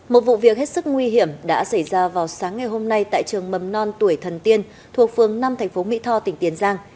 một vụ việc hết sức nguy hiểm đã xảy ra vào sáng ngày hôm nay tại trường mầm non tuổi thần tiên thuộc phường năm thành phố mỹ tho tỉnh tiền giang